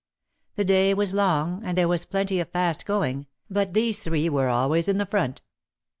The day was long, and there was plenty of fast going — but these three were always in the front.